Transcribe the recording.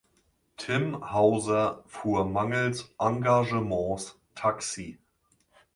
Tim Hauser fuhr mangels Engagements Taxi.